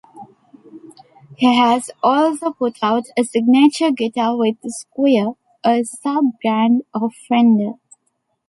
He has also put out a signature guitar with Squier, a sub-brand of Fender.